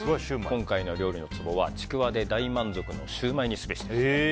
今回の料理のツボは、ちくわで大満足のシューマイにすべしです。